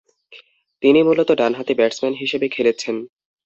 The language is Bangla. তিনি মূলতঃ ডানহাতি ব্যাটসম্যান হিসেবে খেলেছেন।